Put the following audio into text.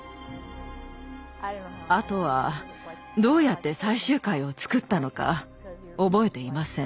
あとはどうやって最終回を作ったのか覚えていません。